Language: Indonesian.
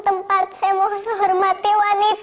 tempat saya menghormati wanita